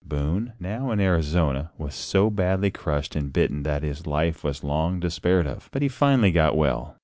Boone, now in Arizona, was so badly crushed and bitten that his life was long despaired of, but he finally got well.